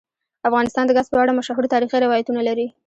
افغانستان د ګاز په اړه مشهور تاریخی روایتونه لري.